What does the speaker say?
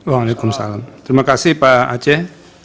waalaikumsalam terima kasih pak aceh